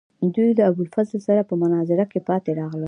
دوی له ابوالفضل سره په مناظره کې پاتې راغلل.